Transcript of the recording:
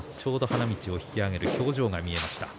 花道を引き揚げる表情が見えました。